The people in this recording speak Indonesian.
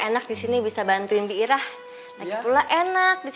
ga dengan lain ke sekali bahkan njel tasted negara lagi whatever